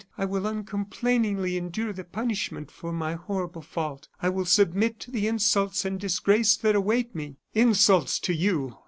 I will uncomplainingly endure the punishment for my horrible fault I will submit to the insults and disgrace that await me!" "Insults, to you!